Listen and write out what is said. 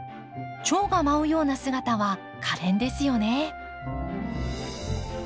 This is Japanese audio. チョウが舞うような姿はかれんですよね。